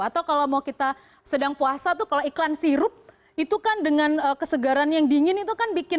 atau kalau mau kita sedang puasa tuh kalau iklan sirup itu kan dengan kesegaran yang dingin itu kan bikin